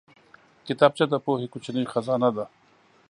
کتابچه د پوهې کوچنۍ خزانه ده